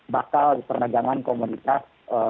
bakal penerbangan komunitas